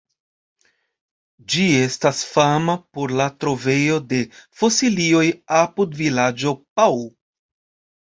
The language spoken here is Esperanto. Ĝi estas fama por la trovejo de fosilioj apud vilaĝo Pau.